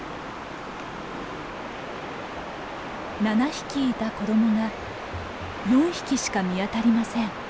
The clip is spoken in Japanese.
７匹いた子どもが４匹しか見当たりません。